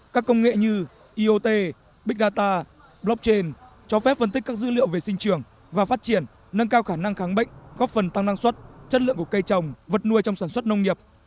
các công nghệ như iot big data blockchain cho phép phân tích các dữ liệu về sinh trường và phát triển nâng cao khả năng kháng bệnh góp phần tăng năng suất chất lượng của cây trồng vật nuôi trong sản xuất nông nghiệp